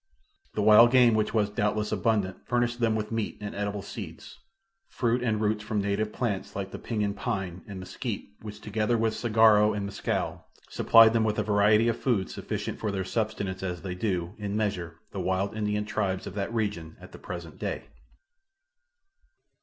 The wild game which was, doubtless, abundant furnished them with meat and edible seeds, fruits and roots from native plants like the pinon pine and mesquite which together with the saguaro and mescal, supplied them with a variety of food sufficient for their subsistence as they do, in a measure, the wild Indian tribes of that region at the present day.